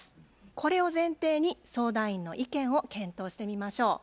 これを前提に相談員の意見を検討してみましょう。